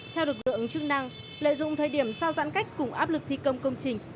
theo được gợi ứng chức năng lợi dụng thời điểm sau giãn cách cùng áp lực thi công công trình